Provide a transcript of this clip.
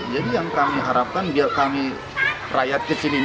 jadi yang kami harapkan biar kami rakyat kecil ini